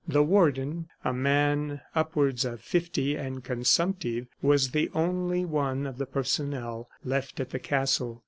The Warden, a man upwards of fifty and consumptive, was the only one of the personnel left at the castle.